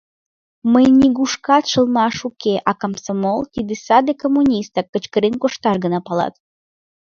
Мый нигушкат шылмаш уке, а комсомол — тиде саде коммунистак, кычкырен кошташ гына палат.